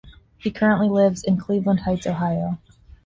He currently lives in Cleveland Heights, Ohio.